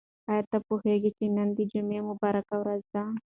آیا ته پوهېږې چې نن د جمعې مبارکه ورځ ده؟